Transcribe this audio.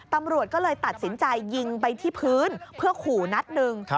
ตำรวจก็เลยตัดสินใจยิงไปที่พื้นเพื่อขู่นัดหนึ่ง